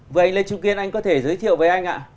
với anh lê trung kiên anh có thể giới thiệu với anh